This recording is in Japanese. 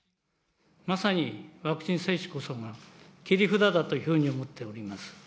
まさにワクチン接種こそが切り札だというふうに思っております。